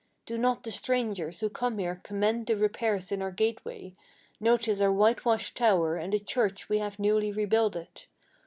Do not the strangers who come here commend the repairs in our gateway, Notice our whitewashed tower, and the church we have newly rebuilded?